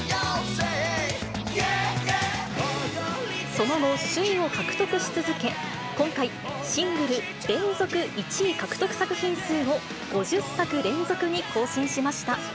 その後、首位を獲得し続け、今回、シングル連続１位獲得作品数を５０作連続に更新しました。